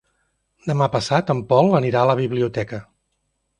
Demà passat en Pol anirà a la biblioteca.